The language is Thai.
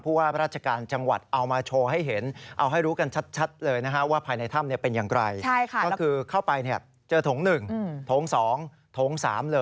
แล้วก็แยกเสร็จแล้วก็เจอถง๒ถง๓